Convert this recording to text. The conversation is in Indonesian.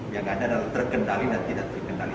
yang ada adalah terkendali dan tidak terkendali